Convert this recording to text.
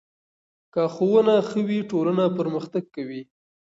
که ښوونه ښه وي، ټولنه پرمختګ کوي.